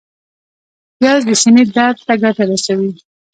پیاز د سینې درد ته ګټه رسوي